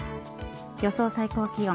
予想最高気温。